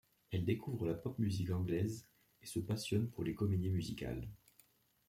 Elle découvre la pop-musique anglaise et se passionne pour les comédies musicales.